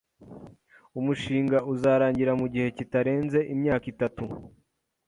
Umushinga uzarangira mugihe kitarenze imyaka itatu.